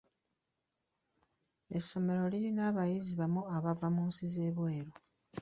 Essomero lirina abayizi abamu abava mu nsi z'ebweru.